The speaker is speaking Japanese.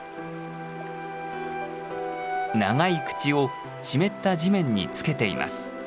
長い口を湿った地面に付けています。